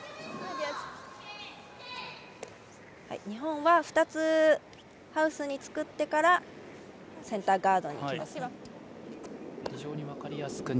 日本は２つハウスに作ってからセンターガードにいきます。